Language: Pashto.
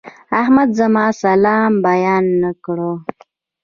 احمد زما سلام بيا نه کړ.